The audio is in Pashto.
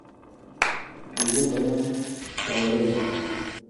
ویده بدن ساړه وي